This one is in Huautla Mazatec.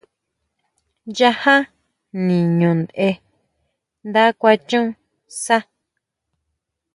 Yajá niño ntʼe, nda kuan chon sʼa.